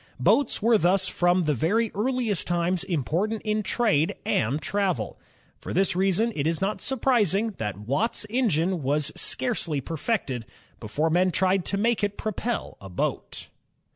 Boats were thus from the very earliest times important in trade and . travel. For this reason it is not surprising that Watt's er^ne was scarcely perfected, before men tried to make it propel a boat.